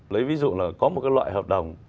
lấy ví dụ là có một cái loại hợp đồng